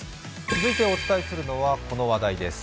続いてお伝えするのは、この話題です。